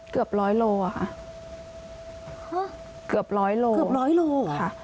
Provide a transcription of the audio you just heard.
เกือบร้อยโลว่ะค่ะเกือบร้อยโลว่ะ